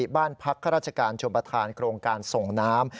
บ้านพรรครราชกรรจบทร์โชว์ประธานโครงการส่งน้ำ